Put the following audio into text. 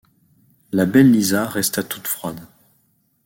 La belle Lisa resta toute froide.